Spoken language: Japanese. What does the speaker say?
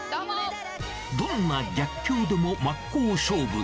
どんな逆境でも真っ向勝負。